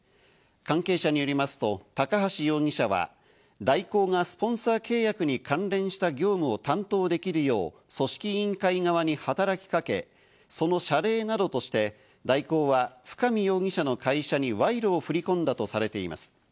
関係者によりますと、高橋容疑者は大広がスポンサー契約に関連した業務を担当できるよう組織委員会側に働きかけ、その謝礼などとして、大広は深見容疑者の会社に賄賂を振り込んだとされています。